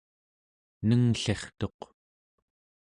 nengllirtuq